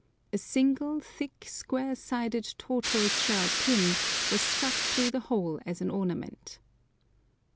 A single, thick, square sided, tortoiseshell pin was stuck through the whole as an ornament.